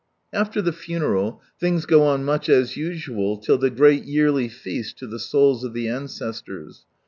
After the funeral, things go on much as usual till the great yearly feast to the souls of the ancestors.